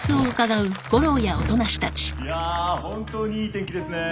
いや本当にいい天気ですね。